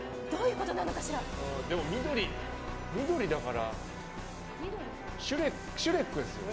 でも、緑だからシュレックですよね？